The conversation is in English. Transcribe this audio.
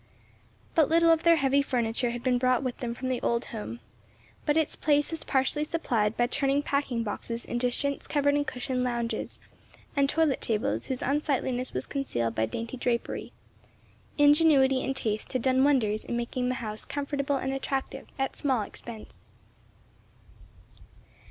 But little of their heavy furniture had been brought with them from the old home, but its place was partially supplied by turning packing boxes into chintz covered and cushioned lounges, and toilet tables, whose unsightliness was concealed by dainty drapery. Ingenuity and taste had done wonders in making the house comfortable and attractive at small expense.